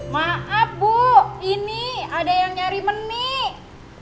maaf bu ini ada yang nyari menik